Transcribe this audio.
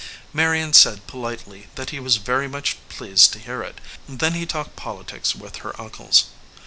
Marion said politely that he was very much pleased to hear it ; then he talked politics with her uncles.